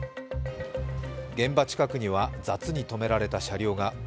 現場近くには雑に止められた車両が。